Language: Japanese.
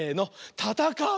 「たたかう」！